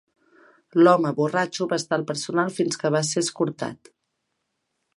L'home borratxo va estar al personal fins que va ser escortat.